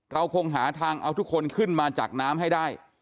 เราคงหาทางเอาทุกคนขึ้นมาจากน้ำให้ได้